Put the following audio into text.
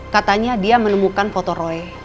katanya dia menemukan foto roy